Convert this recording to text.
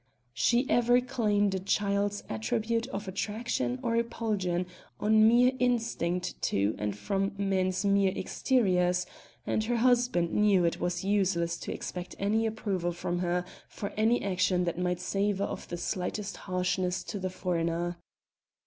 She ever claimed a child's attribute of attraction or repulsion on mere instinct to and from men's mere exteriors, and her husband knew it was useless to expect any approval from her for any action that might savour of the slightest harshness to the foreigner.